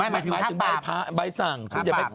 หมายความภาพหมายถึงใบตรงคับปรับ